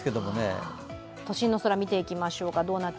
都心の空見ていきましょうか。